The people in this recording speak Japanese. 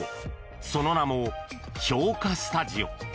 その名も氷華スタジオ。